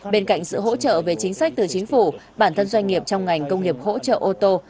bên cạnh sự hỗ trợ về chính sách từ chính phủ bản thân doanh nghiệp trong ngành công nghiệp hỗ trợ ô tô